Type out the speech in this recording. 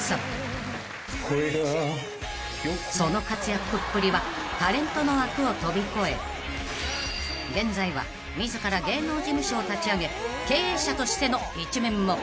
［その活躍っぷりはタレントの枠を飛び越え現在は自ら芸能事務所を立ち上げ経営者としての一面も］